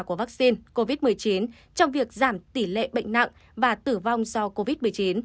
của vaccine covid một mươi chín trong việc giảm tỷ lệ bệnh nặng và tử vong do covid một mươi chín